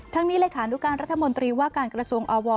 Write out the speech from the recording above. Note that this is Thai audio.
ทั้งนี้เลยค้านุการณ์รัฐมนตรีว่าการกระทรวงอว